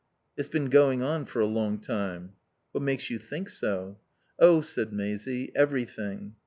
"It's been going on for a long time." "What makes you think so?" "Oh," said Maisie, "everything."